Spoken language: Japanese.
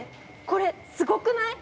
これすごくない？